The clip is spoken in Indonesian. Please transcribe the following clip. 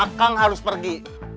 akang harus pergi